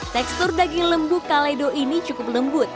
tekstur daging lembu kale do ini cukup lembut